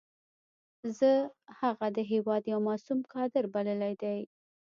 زه هغه د هېواد یو معصوم کادر بللی دی.